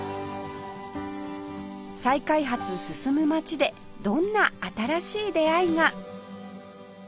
再開発進む街でどんな新しい出会いが？